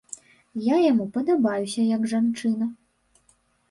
Я яму падабаюся як жанчына.